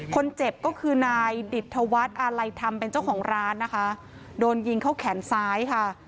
คนเจ็บก็คือนายดิตธวัฒน์อาลัยธรรมเป็นเจ้าของร้านนะคะโดนยิงเข้าแขนซ้ายค่ะ